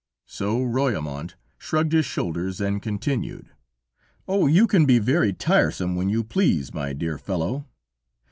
So Royaumont shrugged his shoulders and continued: "Oh you can be very tiresome when you please, my dear fellow!...